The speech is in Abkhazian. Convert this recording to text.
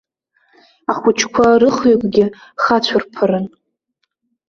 Ахәыҷқәа рыхҩыкгьы хацәырԥарын.